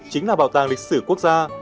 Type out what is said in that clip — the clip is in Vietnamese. chính là bảo tàng lịch sử quốc gia